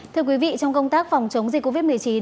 thưa quý vị trong công tác phòng chống dịch covid một mươi chín